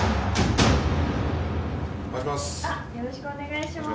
お願いします。